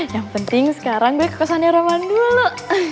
yang penting sekarang gue ke kosannya roman dulu